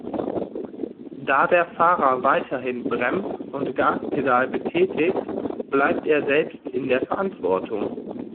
Da der Fahrer weiterhin Brems- und Gaspedal betätigt, bleibt er selbst in der Verantwortung.